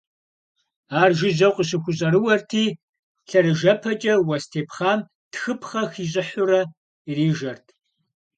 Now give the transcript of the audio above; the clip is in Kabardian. Ар жыжьэу къыщыхущӀэрыуэрти лъэрыжэпэкӀэ уэс тепхъэм тхыпхъэ хищӀыхьурэ ирижэрт.